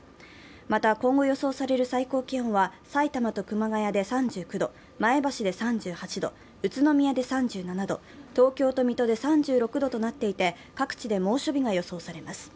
また、今後予想される最高気温はさいたまと熊谷で３９度、前橋で３８度、宇都宮で３７度東京と水戸で３６度となっていて各地で猛暑日が予想されます。